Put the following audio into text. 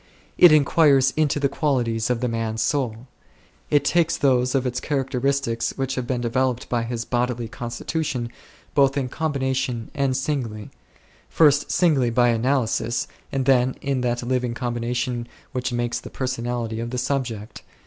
It inquires into the qualities of the man's soul. It takes those of its characteristics which have been developed by his bodily constitution, both in combination and singly ; first singly, by analysis, and then in that living combination which makes the personality of the subject.